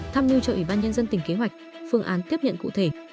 tham mưu cho ủy ban nhân dân tỉnh kế hoạch phương án tiếp nhận cụ thể